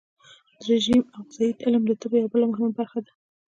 د رژیم او تغذیې علم د طب یوه بله مهمه برخه ده.